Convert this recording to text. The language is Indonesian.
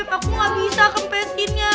aku gak bisa kempesinnya